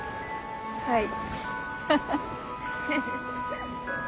はい。